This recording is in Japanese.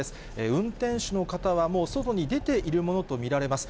運転手の方は、もう外に出ているものと見られます。